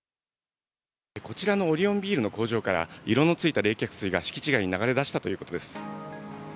こちらのオリオンビールの工場から色のついた冷却水が敷地外に流れ出したということです。